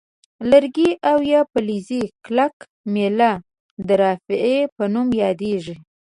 لرګی او یا فلزي کلکه میله د رافعې په نوم یادیږي.